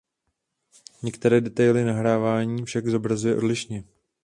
Některé detaily nahrávání však zobrazuje odlišně.